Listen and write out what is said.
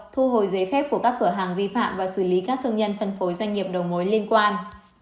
thu hồi giấy phép của các cửa hàng vi phạm và xử lý các thương nhân phân phối doanh nghiệp đầu mối liên quan